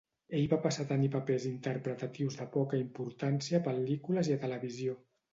Ell va passar a tenir papers interpretatius de poca importància a pel·lícules i a televisió.